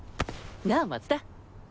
なあ松田。